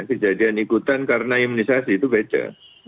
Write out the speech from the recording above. kejadian ikutan karena imunisasi itu beda